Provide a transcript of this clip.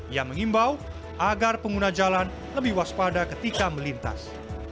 ia mengimbau agar pengguna jalan lebih waspada ketika melintas